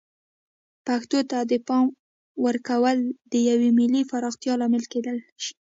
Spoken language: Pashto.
پښتو ته د پام ورکول د یوې ملي پراختیا لامل کیدای شي.